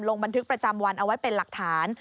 ลงบันทึกประจำวันเอาไว้เป็นหลักฐาน